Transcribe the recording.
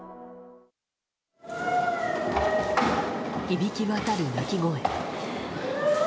響き渡る泣き声。